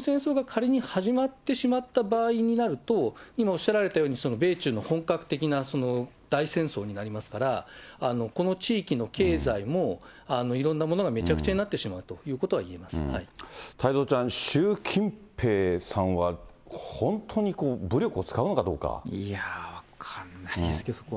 その上で、この戦争が仮に始まってしまった場合になると、今、おっしゃられたように、米中の本格的な大戦争になりますから、この地域の経済もいろんなものがめちゃくちゃになってしまうというこ太蔵ちゃん、習近平さんは、いや、分かんないですけど、そこは。